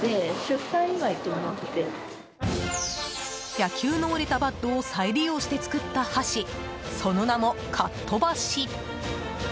野球の折れたバットを再利用して作った箸その名も、カットバシ。